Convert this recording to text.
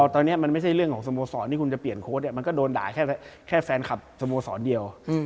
ตอนนี้มันไม่ใช่เรื่องของสโมสรที่คุณจะเปลี่ยนโค้ดมันก็โดนด่าแค่แฟนคลับสโมสรเดียว